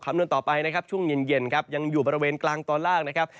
นวณต่อไปนะครับช่วงเย็นครับยังอยู่บริเวณกลางตอนล่างนะครับ